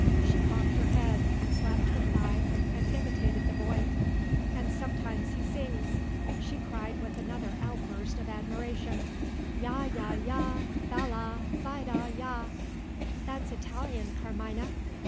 She cocked her head, and slapped her thigh, and imitated the boy. "And sometimes he sings!" she cried with another outburst of admiration. "Yah yah yah bellah vitah yah! That's Italian, Carmina."